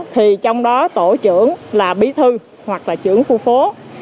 thì trong đó tổ trưởng là bí thư hoặc là trưởng khu phố